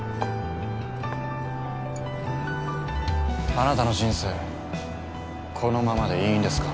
あなたの人生このままでいいんですか？